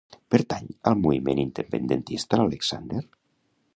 Pertany al moviment independentista l'Alexander?